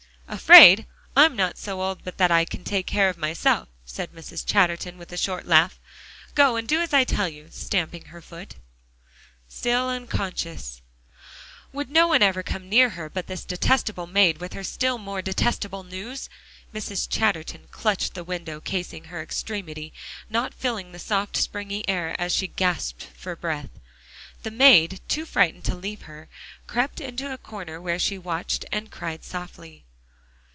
"Afraid? I'm not so old but that I can take care of myself," said Mrs. Chatterton with a short laugh. "Go and do as I tell you," stamping her foot. "Still unconscious" Would no one ever come near her but this detestable maid, with her still more detestable news? Mrs. Chatterton clutched the window casing in her extremity, not feeling the soft springy air as she gasped for breath. The maid, too frightened to leave her, crept into a corner where she watched and cried softly.